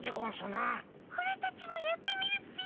オラたちもやってみるっピ。